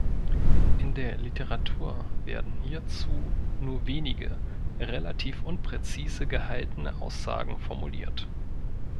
In der Literatur werden hierzu nur wenige, relativ unpräzise gehaltene Aussagen formuliert.